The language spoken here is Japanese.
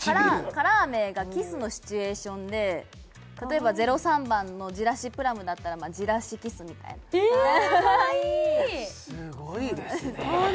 カラー名がキスのシチュエーションで例えば０３番のじらしプラムだったらじらしキスみたいなえかわいいすごいですね